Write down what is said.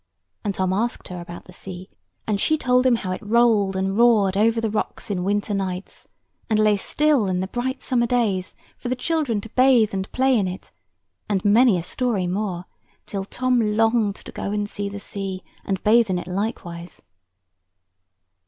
And Tom asked her about the sea; and she told him how it rolled and roared over the rocks in winter nights, and lay still in the bright summer days, for the children to bathe and play in it; and many a story more, till Tom longed to go and see the sea, and bathe in it likewise.